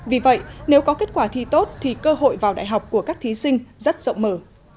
vì vậy nếu có kết quả thi tốt thì cơ hội vào đại học của các thí sinh rất rộng mở